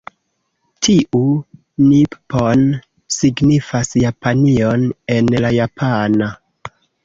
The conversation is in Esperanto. Tiu 'Nippon' signifas Japanion en la japana.